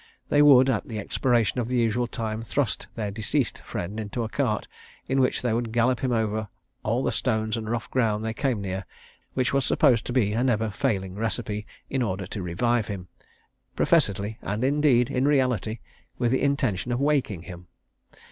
They would, at the expiration of the usual time, thrust their "deceased" friend into a cart, in which they would gallop him over all the stones and rough ground they came near, which was supposed to be a never failing recipe, in order to revive him, professedly, and indeed in reality, with the intention of "waking" him.